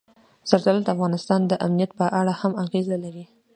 زردالو د افغانستان د امنیت په اړه هم اغېز لري.